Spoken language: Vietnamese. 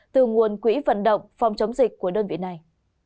từ nguồn quỹ vận động phòng chống dịch của đơn vị này